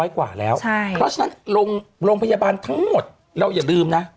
๙๐๐กว่าแล้วแล้วฉะนั้นโรงพยาบาลทั้งหมดเราอย่าลืมนะ